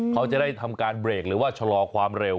เขาจะได้ทำการเบรกหรือว่าชะลอความเร็ว